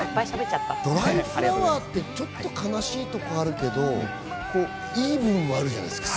『ドライフラワー』って、ちょっと悲しいところあるけどいい部分もあるじゃないですか。